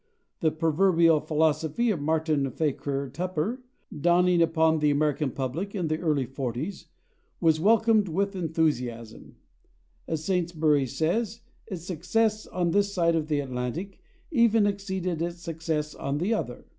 The "Proverbial Philosophy" of Martin Farquhar Tupper, dawning upon the American public in the early 40's, was welcomed with enthusiasm; as Saintsbury says, its success [Pg302] on this side of the Atlantic even exceeded its success on the other.